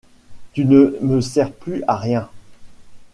tu ne me sers plus à rien.